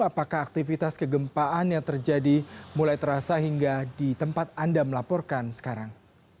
apakah aktivitas kegempaan yang terjadi mulai terasa hingga di tempat anda melaporkan sekarang